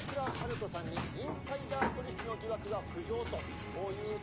人さんにインサイダー取引の疑惑が浮上と」。